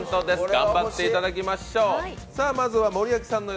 頑張っていただきましょう。